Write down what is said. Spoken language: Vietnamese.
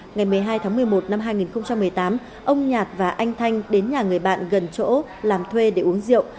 ngày một mươi hai tháng một mươi một năm hai nghìn một mươi tám ông nhạt và anh thanh đến nhà người bạn gần chỗ làm thuê để uống rượu